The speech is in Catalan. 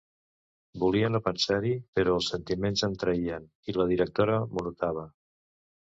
Volia no pensar-hi però els sentiments em traïen i la directora m'ho notava.